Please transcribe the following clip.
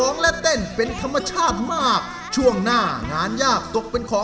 น้ำตาช้ำมานานเท่าไหร่